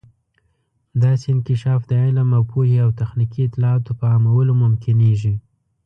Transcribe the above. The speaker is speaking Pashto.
داسې انکشاف د علم او پوهې او تخنیکي اطلاعاتو په عامولو ممکنیږي.